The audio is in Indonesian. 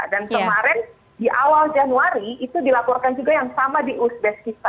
dan kemarin di awal januari itu dilaporkan juga yang sama di ubes kisar